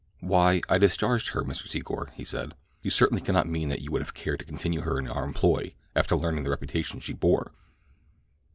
"Why, I discharged her, Mr. Secor," he said. "You certainly cannot mean that you would have cared to continue her in our employ after learning the reputation she bore?"